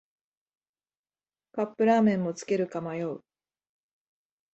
カップラーメンもつけるか迷う